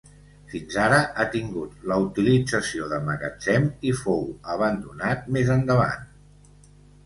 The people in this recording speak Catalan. Fins ara ha tingut la utilització de magatzem i fou abandonat més endavant.